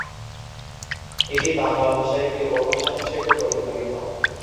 এটি বাংলা ভাষার একটি উপভাষা হিসেবে পরিগণিত।